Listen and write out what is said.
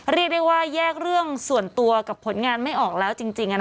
เรียกได้ว่าแยกเรื่องส่วนตัวกับผลงานไม่ออกแล้วจริง